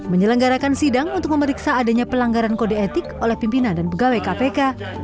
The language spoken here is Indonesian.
menyelenggarakan sidang untuk memeriksa adanya pelanggaran kode etik oleh pimpinan dan pegawai kpk